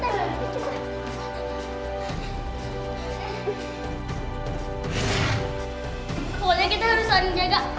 pokoknya kita harus saling jaga